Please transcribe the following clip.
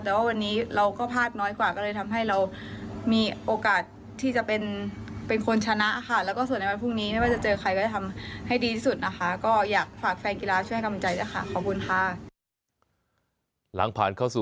แต่ว่าวันนี้เราก็พลาดน้อยกว่าก็เลยทำให้เรามีโอกาสที่จะเป็นคนชนะค่ะ